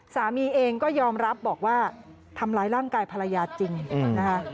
สามีเองก็ยอมรับบอกว่าทำร้ายร่างกายภรรยาจริงนะคะ